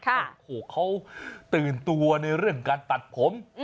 โอ้โหเขาตื่นตัวในเรื่องการตัดผม